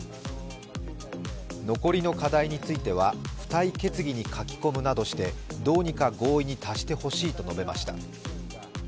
残りの課題については付帯決議に書き込むなどしてどうにか合意に達してほしいと述べました。